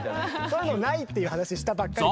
そういうのないっていう話したばっかり。